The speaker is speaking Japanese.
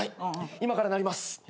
今からなります。